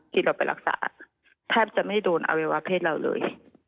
ที่เราไปรักษาแทบจะไม่โดนอวัยวะเพศเราเลย